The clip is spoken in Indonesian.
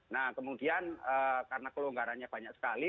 nah kemudian karena kelonggarannya banyak sekali